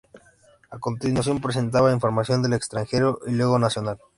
A continuación presentaba información del extranjero y luego nacional.